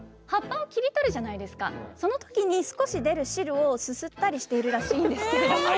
葉っぱを切り取るじゃないですかその時に少し出る汁をすすったりしてるらしいんですけれども。